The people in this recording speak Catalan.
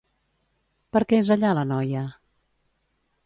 Per què és allà la noia?